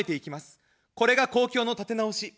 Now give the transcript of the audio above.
これが公共の立て直し。